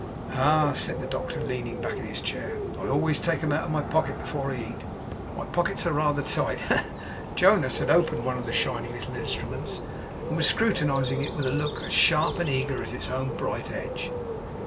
'Ah!' said the doctor, leaning back in his chair, 'I always take 'em out of my pocket before I eat. My pockets are rather tight. Ha, ha, ha!' Jonas had opened one of the shining little instruments; and was scrutinizing it with a look as sharp and eager as its own bright edge.